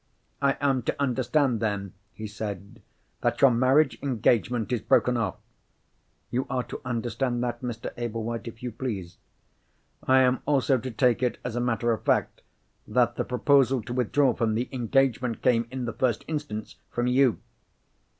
"I am to understand, then," he said, "that your marriage engagement is broken off?" "You are to understand that, Mr. Ablewhite, if you please." "I am also to take it as a matter of fact that the proposal to withdraw from the engagement came, in the first instance, from _you?